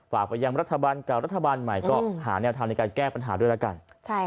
ฝากไปยังรัฐบาลกับรัฐบาลใหม่ก็หาแนวทางในการแก้ปัญหาด้วยแล้วกัน